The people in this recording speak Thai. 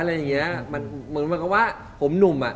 เหมือนเขาบอกว่าผมหนุ่มอะ